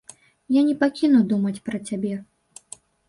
Я не пакіну думаць пра цябе.